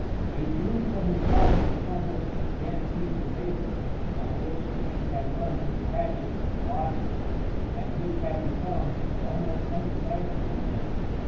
He drew from his pocket the crumpled, damp piece of paper on which the ink had run into patches and blotches, and which had become almost undecipherable now.